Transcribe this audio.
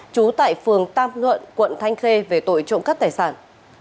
trú tại phường tam nguận quận thanh khê về tội trộm cất tài sản